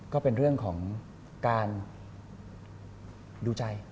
ก็เป็นเรื่องของการดูใจ